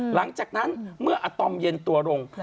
หลังจากนั้นเมื่ออาตอมเย็นตัวลง